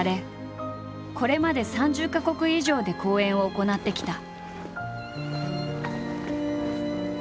これまで３０か国以上で公演を行ってきた。